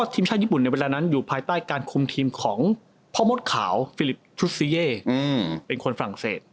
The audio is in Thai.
ทีมชาติญี่ปุ่นในเวลานั้นอยู่ภายใต้การคุมทีมของพ่อมดขาวฟิลิปชุดซีเย่เป็นคนฝรั่งเศส